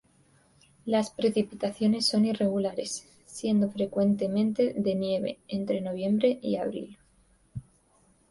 Las precipitaciones son irregulares, siendo frecuentemente de nieve entre noviembre y abril.